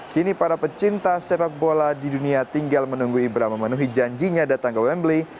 kini para pecinta sepak bola di dunia tinggal menunggu ibra memenuhi janjinya datang ke wembley